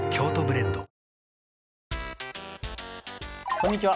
こんにちは